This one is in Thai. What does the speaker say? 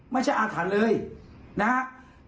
ไม่ใช่อาถรรย์เลยนะครับ